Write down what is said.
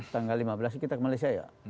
tanggal lima belas kita ke malaysia ya